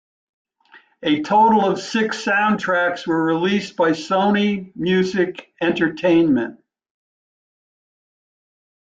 A total of six soundtracks were released by Sony Music Entertainment.